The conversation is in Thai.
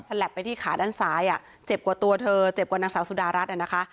สลับไปที่ขาด้านซ้ายเจ็บกว่าตัวเธอเจ็บกว่านักหาสุดารัฐนะคะ